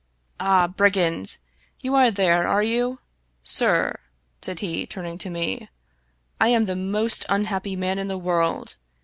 " Ah, brigand ! You are there, are you ? Sir," said he, turning to me, " I am the most unhappy man in the world.